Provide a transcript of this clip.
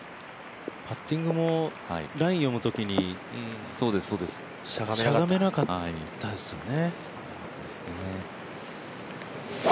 パッティングもラインを見るときにしゃがめなかったですもんね。